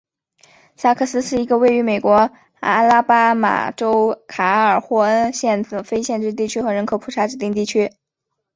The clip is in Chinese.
萨克斯是一个位于美国阿拉巴马州卡尔霍恩县的非建制地区和人口普查指定地区。